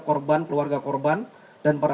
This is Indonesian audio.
korban keluarga korban dan para